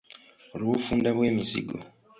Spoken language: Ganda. Olw’obufunda bw’emizigo.